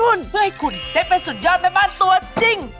เพื่อให้คุณได้เป็นสุดยอดแม่บ้านตัวจริง